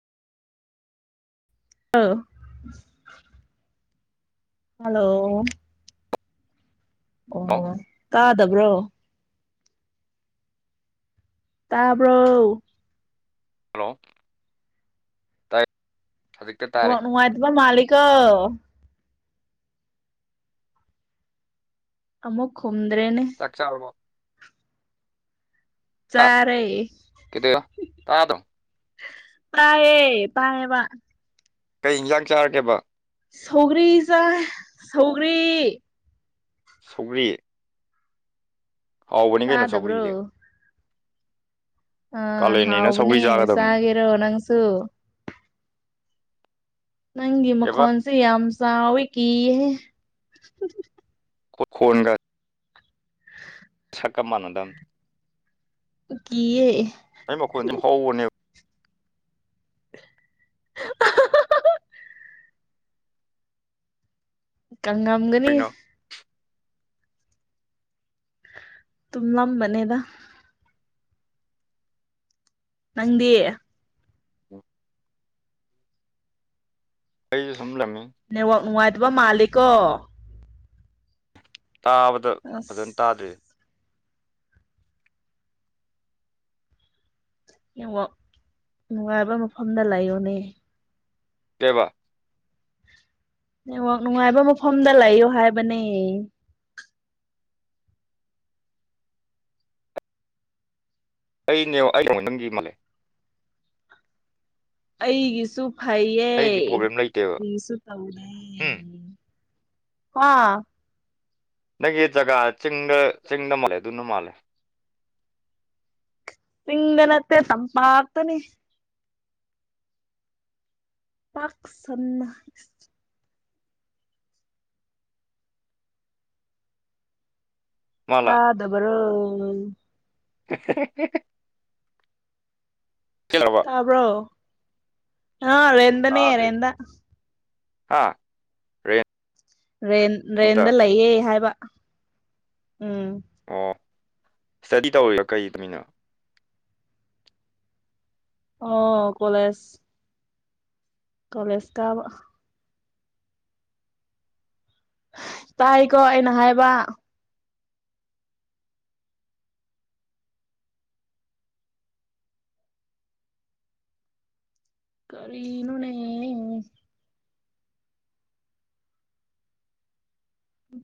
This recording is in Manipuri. ꯑꯧ ꯍꯜꯂꯣ ꯍꯜꯂꯣ ꯑꯣ ꯇꯥꯗꯕ꯭ꯔꯣ ꯇꯥꯕ꯭ꯔꯣ ꯍꯜꯂꯣ ꯇꯥꯏ ꯍꯧꯖꯤꯛꯇ ꯇꯥꯔꯦ ꯅꯦꯠꯋꯥꯛ ꯅꯨꯡꯉꯥꯏꯇꯕ ꯃꯥꯜꯂꯤꯀꯣ ꯑꯃꯨꯛ ꯈꯨꯨꯝꯗ꯭ꯔꯦꯅꯦ ꯆꯥꯛ ꯆꯥꯔꯕꯣ ꯆꯥꯔꯦ ꯀꯩꯗꯧꯅꯣ ꯇꯥꯗ꯭ꯔꯣ ꯇꯥꯏꯌꯦ ꯇꯥꯏꯌꯦꯕ ꯀꯩ ꯏꯟꯖꯥꯡ ꯆꯥꯔꯒꯦꯕ ꯁꯧꯒ꯭ꯔꯤ ꯆꯥꯏ ꯁꯧꯒ꯭ꯔꯤ ꯁꯧꯒ꯭ꯔꯤ ꯍꯥꯎꯕꯅꯤ ꯀꯩꯅꯣ ꯇꯥꯗꯕ꯭ꯔꯣ ꯁꯧꯒ꯭ꯔꯤꯗꯤ ꯑꯤ ꯀꯥꯂꯦꯟꯅꯤꯅ ꯁꯧꯒ꯭ꯔꯤ ꯍꯥꯎꯕꯅꯦ ꯆꯥꯒꯗꯕꯅꯤ ꯆꯥꯒꯦꯔꯣ ꯅꯪꯁꯨ ꯅꯪꯒꯤ ꯀꯩꯕ ꯃꯈꯣꯟꯁꯦ ꯌꯥꯝ ꯆꯥꯎꯋꯤ ꯀꯤꯍꯦ [unintelligible] [unintelligible] ꯁꯛꯀ ꯃꯥꯟꯅꯗꯝ ꯀꯤꯌꯦ ꯑꯩ ꯃꯈꯣꯟꯁꯦ ꯍꯧꯕꯅꯦ ꯀꯪ ꯉꯝꯒꯅꯤ ꯀꯩꯅꯣ ꯇꯨꯝꯂꯝꯕꯅꯦꯗ ꯅꯪꯗꯤ ꯑꯩꯩꯁꯨ ꯁꯨꯝ ꯂꯝꯃꯤ ꯅꯦꯠꯋꯥꯛ ꯅꯨꯡꯉꯥꯏꯇꯕ ꯃꯥꯂꯦꯀꯣ ꯇꯥꯕꯗ ꯑꯁ ꯐꯖꯅ ꯇꯥꯗꯦ ꯅꯦꯠꯋꯥꯛ ꯅꯨꯡꯉꯥꯏꯕ ꯃꯐꯝꯗ ꯂꯩꯌꯣꯅꯦ ꯀꯩꯕꯥ ꯅꯦꯠꯋꯥꯛ ꯅꯨꯡꯉꯥꯏꯕ ꯃꯐꯝꯗ ꯂꯩꯌꯣ ꯍꯥꯏꯕꯅꯦ ꯑꯩꯅꯦ [unintelligible] ꯅꯪꯒꯤ ꯃꯥꯜꯂꯦ ꯑꯩꯒꯤꯁꯨ ꯐꯩꯌꯦ ꯑꯩꯗꯤ ꯄ꯭ꯔꯣꯕ꯭ꯂꯦꯝ ꯂꯩꯇꯦꯕ ꯄꯤꯁꯨ ꯐꯕꯅꯦ ꯍꯨꯝ ꯍꯥ ꯅꯪꯒꯤ ꯖꯒꯥ ꯆꯤꯡꯗ ꯆꯤꯡꯗ ꯃꯥꯜꯂꯦ ꯑꯗꯨꯅ ꯃꯥꯜꯂꯦ ꯆꯤꯡꯗ ꯅꯠꯇꯦ ꯇꯝꯄꯥꯛꯇꯅꯤ ꯄꯥꯛ ꯁꯟꯅ ꯃꯥꯜꯂ ꯇꯥꯗꯕꯔꯣ [unintelligible] ꯇꯥꯕ꯭ꯔꯣ ꯑ ꯐꯖꯅ ꯔꯦꯟꯗꯅꯦ ꯇꯥꯗꯦ ꯔꯦꯟꯗ ꯍꯥ ꯔꯦꯟ ꯔꯦꯟ ꯔꯦꯟꯗ ꯂꯩꯌꯦ ꯍꯥꯏꯕ ꯎꯝ ꯑꯣ ꯏꯁꯇꯗꯤ ꯇꯧꯔꯤꯔ ꯀꯩ ꯇꯝꯃꯤꯅꯣ ꯑꯣ ꯀꯣꯂꯦꯖ ꯀꯣꯂꯦꯖ ꯀꯥꯕ ꯇꯥꯏꯀꯣ ꯑꯩꯅ ꯍꯥꯏꯕ ꯀꯔꯤꯅꯣꯅꯦ